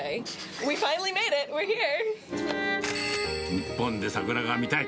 日本で桜が見たい。